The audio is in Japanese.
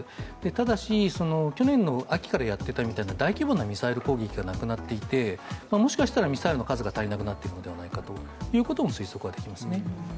ただし、去年の秋からやってたみたいな大規模なミサイル攻撃がなくなっていて、もしかしたらミサイルの数が足りなくなっているのかもしれないという推測はできますね。